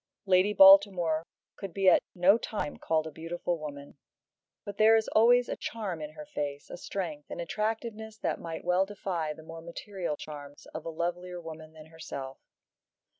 Lady Baltimore could be at no time called a beautiful woman. But there is always a charm in her face, a strength, an attractiveness that might well defy the more material charms of a lovelier woman than herself.